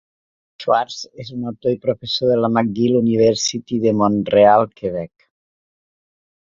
Schwarcz és un autor i professor de la McGill University de Montreal, Quebec.